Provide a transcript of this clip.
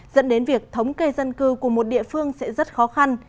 dẫn đến việc thống kê dân cư của một địa phương sẽ rất khó khăn